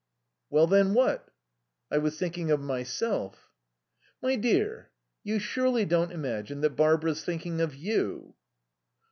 "Well then, what?" "I was thinking of myself." "My dear, you surely don't imagine that Barbara's thinking of you?"